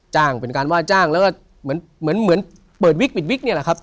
แจ้งเป็นการว่าแจ้งแล้วก็เหมือนเปิดวิกติ้นวิกเนี่ยแหละครับ